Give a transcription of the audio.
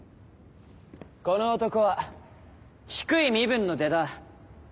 この男は低い身分の出だ。